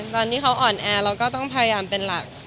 ตอนที่เขาอ่อนแอเราก็ต้องพยายามเป็นหลัก